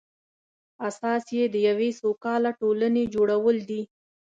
اساس یې د یوې سوکاله ټولنې جوړول دي.